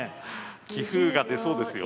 棋風が出そうですよ。